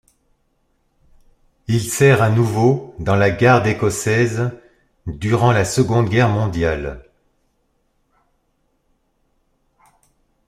Il sert à nouveau dans la garde écossaise durant la Seconde Guerre mondiale.